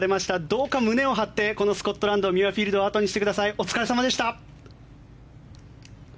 どうか胸を張ってこのスコットランドミュアフィールドを後にしてください。